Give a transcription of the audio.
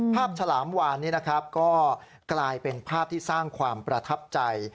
ฉลามวานนี้นะครับก็กลายเป็นภาพที่สร้างความประทับใจ